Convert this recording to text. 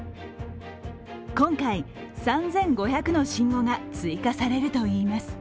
今回、３５００の新語が追加されるといいます。